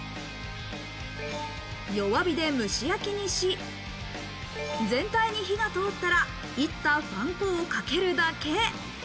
弱火で蒸し焼きにし、全体に火が通ったら炒ったパン粉をかけるだけ。